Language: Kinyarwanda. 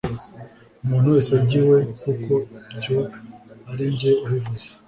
umuntu wese ajye iwe kuko ibyo ari jye ubivuze